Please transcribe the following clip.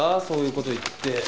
そういう事言って。